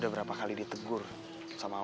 udah berapa kali ditegur sama allah kan